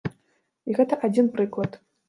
І гэта адзін прыклад.